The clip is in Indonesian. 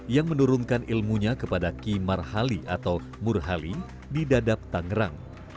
yang menurunkan ilmunya kepada ki marhali atau murhali di dadap tangerang